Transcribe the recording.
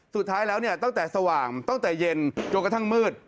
สุดท้ายแล้วเนี่ยตั้งแต่สว่างตั้งแต่เย็นจนกระทั่งมืด